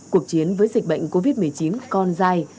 cuộc chiến với dịch bệnh covid một mươi chín còn dài